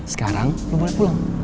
sekarang lo boleh pulang